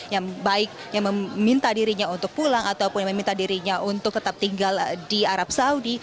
yang baik yang meminta dirinya untuk pulang ataupun yang meminta dirinya untuk tetap tinggal di arab saudi